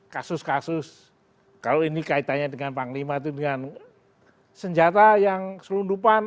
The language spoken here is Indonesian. kasus kasus kalau ini kaitannya dengan panglima itu dengan senjata yang selundupan